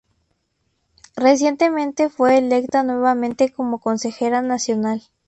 Recientemente fue electa nuevamente como Consejera Nacional.